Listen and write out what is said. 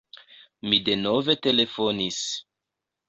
Mi denove telefonis.